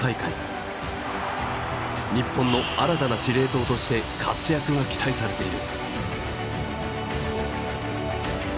日本の新たな司令塔として活躍が期待されている。